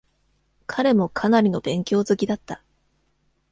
彼もかなりの勉強好きだった。